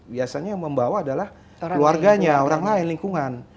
biasanya yang membawa adalah keluarganya orang lain lingkungan